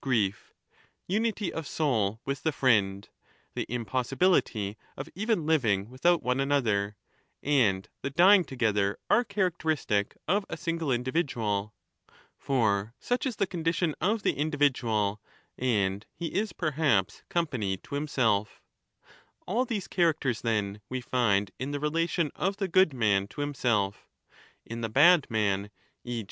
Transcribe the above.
1240'' ETHICA EUDEMIA 10 grief, unity of soul with the friend, the impossibility of even living without one another, and the dying together are characteristic of a single individual. (For such is the condition of the individual and he is perhaps company to himself) All these characters then ^ we find in the relation of the good man to himself. In the bad man,/ e.